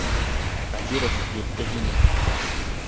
Хәбиров, етте һиңә!